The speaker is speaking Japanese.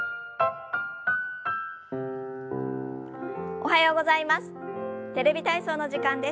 おはようございます。